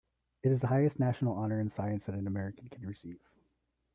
It is the highest national honor in science that an American can receive.